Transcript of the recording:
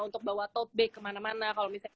untuk bawa tote bag kemana mana kalo misalnya